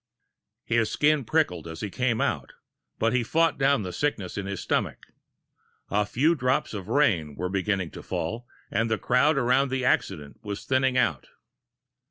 His skin prickled as he came out, but he fought down the sickness in his stomach. A few drops of rain were beginning to fall, and the crowd around the accident was thinning out.